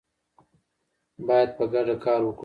باید په ګډه کار وکړو.